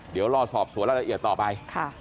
เดี๋ยวรอสอบสวนรายละเอียดต่อไป